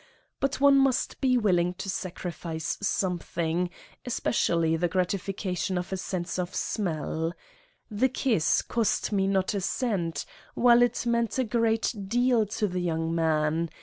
But one must be willing to sacrifice something, especially the gratification of a sense of smell. The kiss cost me not a cent, while it meanj; a great deal to the young man.